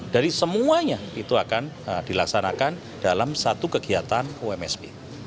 dari semuanya itu akan dilaksanakan dalam satu kegiatan umsb